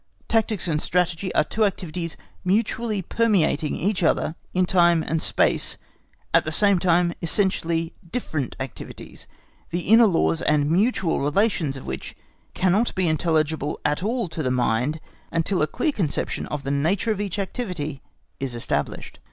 Tactics and strategy are two activities mutually permeating each other in time and space, at the same time essentially different activities, the inner laws and mutual relations of which cannot be intelligible at all to the mind until a clear conception of the nature of each activity is established.